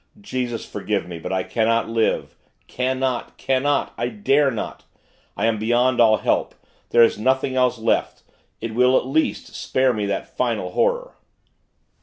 Jesus, forgive me, but I cannot live, cannot, cannot! I dare not! I am beyond all help there is nothing else left. It will, at least, spare me that final horror....